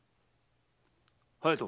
隼人。